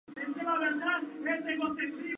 Directorio, Mariano Acosta y Av.